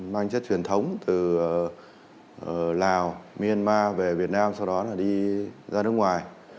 mang chất truyền thống từ lào myanmar về việt nam sau đó là đi ra nước ngoài